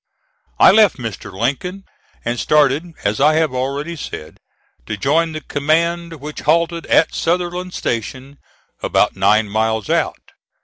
I left Mr. Lincoln and started, as I have already said, to join the command, which halted at Sutherland Station, about nine miles out.